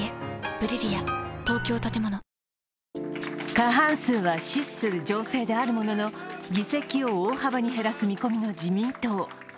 過半数は死守する情勢であるものの、議席を大幅に減らす見込みの自民党。